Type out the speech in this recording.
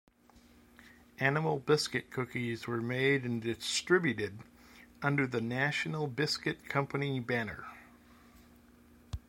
Animal biscuit cookies were made and distributed under the National Biscuit Company banner.